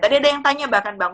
tadi ada yang tanya bahkan bang